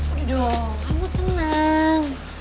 aduh kak mut tenang